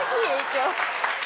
今日。